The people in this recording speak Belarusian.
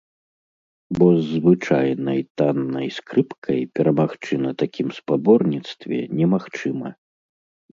Бо з звычайнай таннай скрыпкай перамагчы на такім спаборніцтве немагчыма.